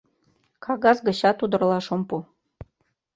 Кагаз гычат удыралаш ом пу.